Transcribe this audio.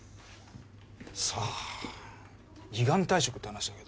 さあ依願退職って話だけど。